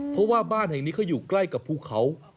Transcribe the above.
เพราะว่าบ้านแห่งนี้เขาอยู่ใกล้กับภูเขา